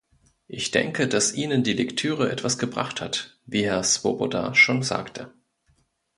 Ich denke, dass Ihnen die Lektüre etwas gebracht hat, wie Herr Swoboda schon sagte.